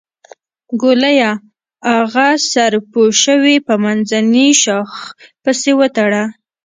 ګوليه اغه سر پوشوې په منځني شاخ پسې وتړه.